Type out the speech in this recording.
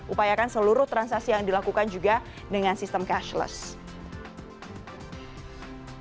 upayakan seluruh transaksi yang dilakukan juga dengan sistem cashless